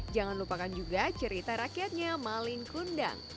jangan lupakan juga cerita rakyatnya maling kundang